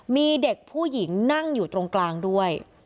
มีเด็กผู้หญิงนั่งอยู่ตรงกลางด้วย